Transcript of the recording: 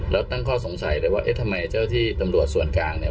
แล้วตั้งข้อสงสัยเลยว่าเอ๊ะทำไมเจ้าที่ตำรวจส่วนกลางเนี่ย